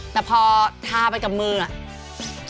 แต่พอทาไปกับมืออ่ะ